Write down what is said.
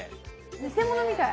偽物みたい。